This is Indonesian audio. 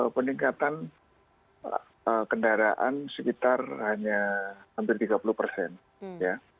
peningkatan kendaraan sekitar hampir tiga puluh persen